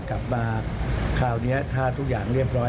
กลับมาคราวนี้ถ้าทุกอย่างเรียบร้อย